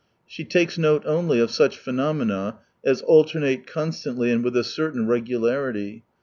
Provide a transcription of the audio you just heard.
She takes note only of such phenomena as alternate con stantly and with a certain regularity.